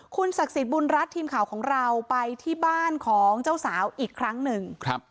คุณศักดิ์สิทธิ์บุญรัฐทีมข่าวของเราไปที่บ้านของเจ้าสาวอีกครั้งหนึ่ง